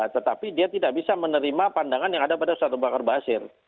tetapi dia tidak bisa menerima pandangan yang ada pada ustaz abu bakar basir